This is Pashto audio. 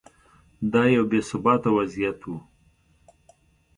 دا یو بې ثباته وضعیت و.